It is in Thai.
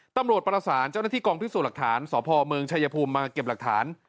ตำรวจประสานเจ้าหน้าที่กองพิสูจน์หลักฐานสพเมืองชายภูมิมาเก็บหลักฐาน